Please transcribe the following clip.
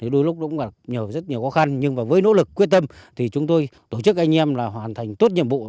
đôi lúc đúng là nhờ rất nhiều khó khăn nhưng với nỗ lực quyết tâm thì chúng tôi tổ chức anh em là hoàn thành tốt nhiệm vụ